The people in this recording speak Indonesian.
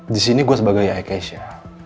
disini gue sebagai ayah keisha